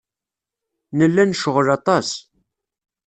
Nella necɣel aṭas.